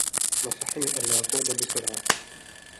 نصحني ألا أقود بسرعة.